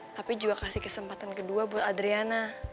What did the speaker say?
papi juga kasih kesempatan kedua buat adiana